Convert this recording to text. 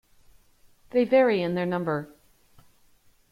They vary in their number.